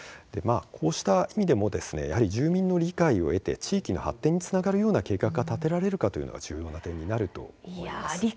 こうした意味でもやはり住民の理解を得て地域の発展につながるような計画が立てられるというのが重要になると思います。